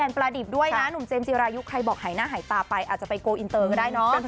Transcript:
เป็นภาษาญี่ปุ่นใช่ไหม